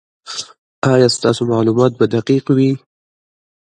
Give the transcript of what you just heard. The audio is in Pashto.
ایا ستاسو معلومات به دقیق وي؟